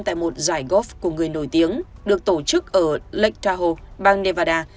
tại một giải golf của người nổi tiếng được tổ chức ở lake tahoe bang nevada